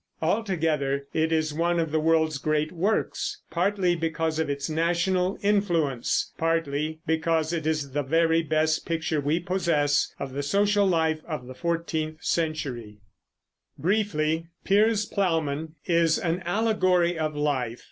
Altogether it is one of the world's great works, partly because of its national influence, partly because it is the very best picture we possess of the social life of the fourteenth century: Briefly, Piers Plowman is an allegory of life.